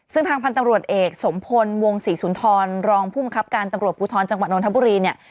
ซึ่งทางพันธุ์ตำรวจเอกสมพลวงศรีสุนทรรองภูมิครับการตำรวจภูทรจังหวัดนทบุรีเนี่ย